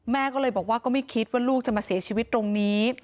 แม่ก็เลยบอกว่าก็ไม่คิดว่าลูกจะมาเสียชีวิตตรงนี้